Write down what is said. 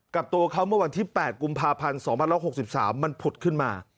กับตัวเขาเมื่อวันที่๘กุมภาพันธ์๒๐๖๓มันผุดขึ้นมา